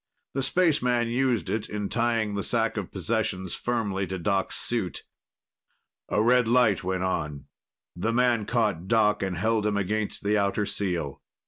The spaceman used it in tying the sack of possessions firmly to Doc's suit. A red light went on. The man caught Doc and held him against the outer seal.